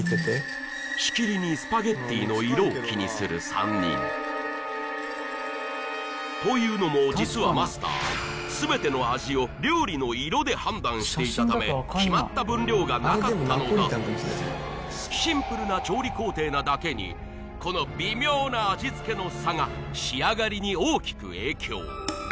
しきりにスパゲッティの色を気にする３人というのも実はマスター全ての味を料理の色で判断していたため決まった分量がなかったのだシンプルな調理工程なだけにこの微妙な味つけの差が仕上がりに大きく影響